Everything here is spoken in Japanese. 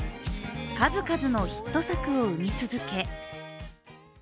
数々のヒット作を生み続け